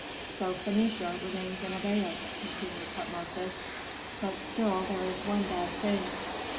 "So Phœnicia remains in abeyance," continued Tutmosis. "But still there is one bad thing.